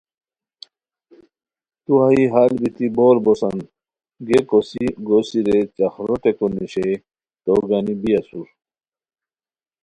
توہائی ہال بیتی بوربوسانگیئے کوسی گوسی رے چاخرو ٹیکو نیشئے تو گانی بی اسور